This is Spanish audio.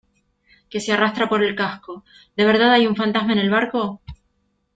que se arrastra por el casco. ¿ de verdad hay un fantasma en el barco?